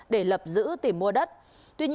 để lập giữ tìm mua đất